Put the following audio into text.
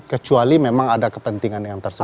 kecuali memang ada kepentingan yang tersebut